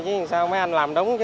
chứ sao mấy anh làm đúng